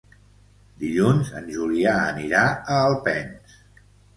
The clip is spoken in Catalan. Dilluns en Julià anirà a Alpens.